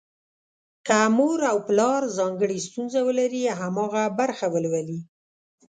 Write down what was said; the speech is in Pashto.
که مور او پلار ځانګړې ستونزه ولري، هماغه برخه ولولي.